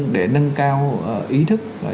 để nâng cao ý thức chấp hành pháp luật